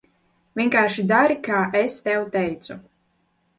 Vienkārši dari, kā es tev teicu.